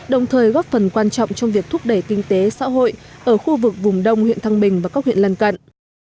đồng thời góp phần quan trọng trong việc thúc đẩy kinh tế xã hội ở khu vực vùng đông huyện thăng bình và các huyện lân cận